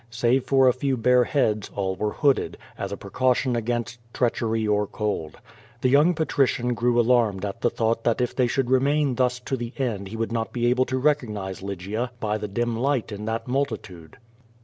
Save for a few bare heads all were hooded, as a precaution against treachery or cold. The young patrician grew alarmed at the thought that if they should remain thus to the end he would not be able to recognize Lygia by the dim light in that multitude.